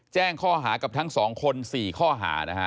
แจ้งข้อหากับทั้ง๒คน๔ข้อหานะฮะ